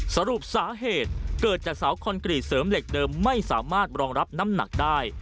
สรุปสาเหตุเกิดจากเสาคอนกรีตเสริมเหล็กเดิมไม่สามารถรองรับน้ำหนักได้